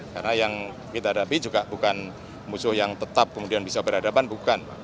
karena yang kita hadapi juga bukan musuh yang tetap kemudian bisa berhadapan bukan